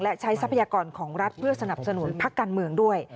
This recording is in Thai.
และใช้ทรัพยากรของรัฐเพื่อสนับสนุนพักการเมืองด้วย